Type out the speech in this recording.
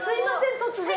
突然。